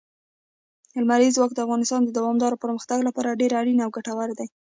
لمریز ځواک د افغانستان د دوامداره پرمختګ لپاره ډېر اړین او ګټور دی.